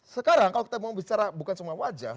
sekarang kalau kita mau bicara bukan cuma wajah